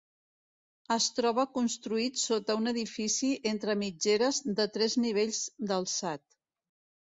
Es troba construït sota un edifici entre mitgeres de tres nivells d'alçat.